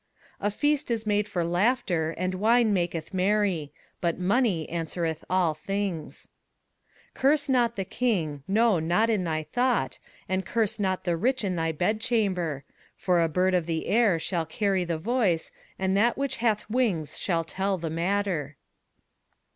21:010:019 A feast is made for laughter, and wine maketh merry: but money answereth all things. 21:010:020 Curse not the king, no not in thy thought; and curse not the rich in thy bedchamber: for a bird of the air shall carry the voice, and that which hath wings shall tell the matter.